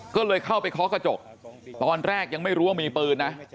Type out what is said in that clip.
ก็เลยเข้าไปเคาะกระจกตอนแรกยังไม่รู้ว่ามีปืนนะ